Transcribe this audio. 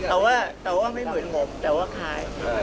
แต่ว่าไม่เหมือนผมแต่ว่าขาย